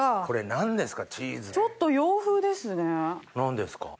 何ですか？